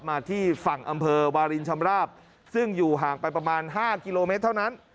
มาที่ฝั่งอำเภอวาลินชำราบซึ่งอยู่ห่างไปประมาณ๕กิโลเมตรเท่านั้น